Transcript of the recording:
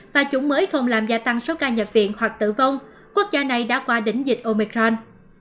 và chủng mới không làm gia tăng số ca nhập viện hoặc tử vong quốc gia này đã qua đỉnh dịch omicron